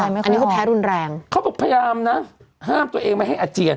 อันนี้เขาแพ้รุนแรงเขาบอกพยายามนะห้ามตัวเองไม่ให้อาเจียน